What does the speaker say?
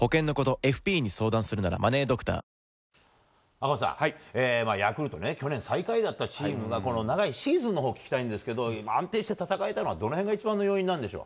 赤星さん、ヤクルト去年最下位だったチームが長いシーズンのほうを聞きたいんですけど安定して戦えたのはどの辺が一番の要因なんでしょう。